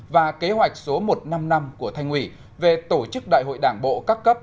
và kế hoạch số một trăm năm mươi năm của thành ủy về tổ chức đại hội đảng bộ các cấp